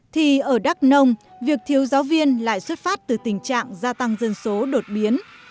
thì ở đắk nông việc thiếu giáo viên lại xuất phát từ tình trạng gia tăng dân số đột biến